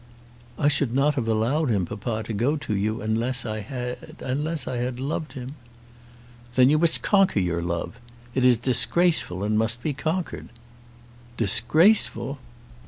"I should not have allowed him, papa, to go to you unless I had, unless I had loved him." "Then you must conquer your love. It is disgraceful and must be conquered." "Disgraceful!"